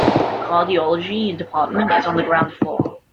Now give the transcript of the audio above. The Cardiology department is on the ground floor.